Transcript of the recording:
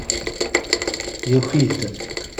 Yuki-d.